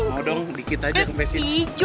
mau dong dikit aja kempesin